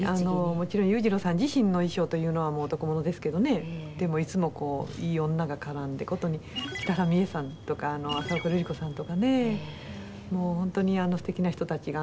「もちろん裕次郎さん自身の衣装というのは男物ですけどねでもいつもいい女が絡んで殊に北原三枝さんとか浅丘ルリ子さんとかねもうホントに素敵な人たちがあの頃はもう」